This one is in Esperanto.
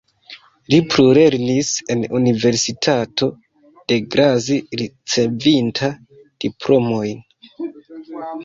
Li plulernis en universitato de Graz ricevinta diplomojn.